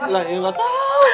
lah ya gak tau